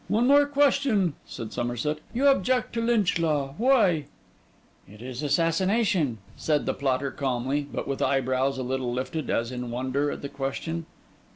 'One more question,' said Somerset: 'you object to Lynch Law? why?' 'It is assassination,' said the plotter calmly, but with eyebrows a little lifted, as in wonder at the question.